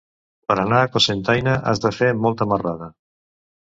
Per anar a Cocentaina has de fer molta marrada.